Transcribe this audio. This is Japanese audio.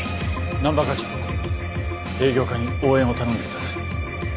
難波課長営業課に応援を頼んでください。